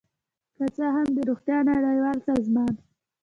که څه هم د روغتیا نړیوال سازمان